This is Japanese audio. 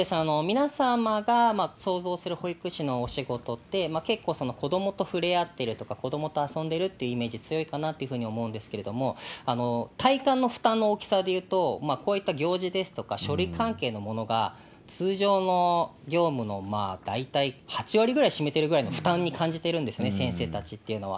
皆様が想像する保育士のお仕事って、結構子どもとふれあってるとか、子どもと遊んでるっていうイメージ強いかなというふうに思うんですけれども、体感の負担の大きさでいうと、こういった行事ですとか、書類関係のものが、通常の業務の大体８割ぐらい占めてるぐらいの負担に感じてるんですね、先生たちっていうのは。